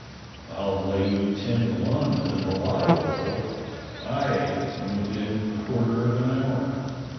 "I'll lay you ten to one that the mulatto will; aye, and within a quarter of an hour!"